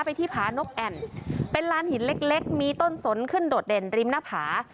ที่ผานกแอ่นเป็นลานหินเล็กเล็กมีต้นสนขึ้นโดดเด่นริมหน้าผา